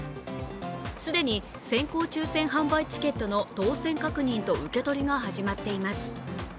既に先行抽選販売チケットの当選確認と受け取りが始まっています。